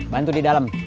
bantu di dalam